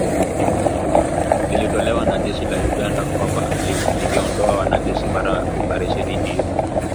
lililotolewa na jeshi la Uganda kwamba lingeondoa wanajeshi mara oparesheni hiyo